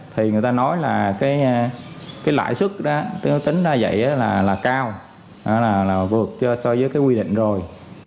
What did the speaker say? thì người ta nói là cái lãi xuất tính ra vậy là cao là vượt so với cái quy định rồi